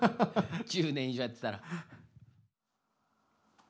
１０年以上やってたら。